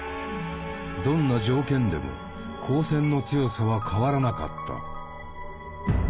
どんな条件でも光線の強さは変わらなかった。